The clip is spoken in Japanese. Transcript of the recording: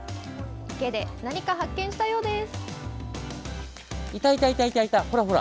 池で何か発見したようです。